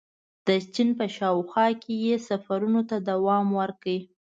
• د چین په شاوخوا کې یې سفرونو ته دوام ورکړ.